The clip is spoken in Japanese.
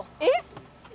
えっ？